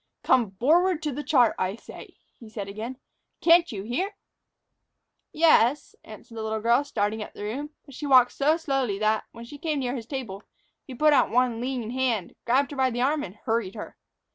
"Come forward to the chart, I say," he said again. "Can't you hear!" "Yes," answered the little girl, starting up the room. But she walked so slowly that, when she came near his table, he put out one lean hand, grabbed her by the arm, and hurried her.